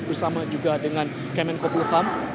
bersama juga dengan kemen kukul kam